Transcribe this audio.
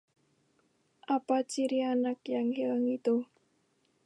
apa ciri anak yang hilang itu?